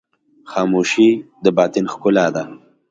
خاموشي، د باطن ښکلا ده.